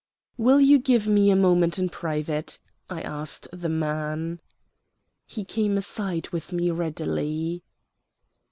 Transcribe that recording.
"Will you give me a moment in private?" I asked the man. He came aside with me readily.